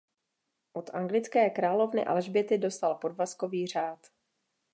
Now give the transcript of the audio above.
Od anglické královny Alžběty dostal Podvazkový řád.